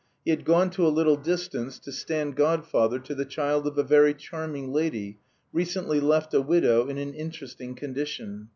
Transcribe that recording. He had gone to a little distance to stand godfather to the child of a very charming lady, recently left a widow in an interesting condition.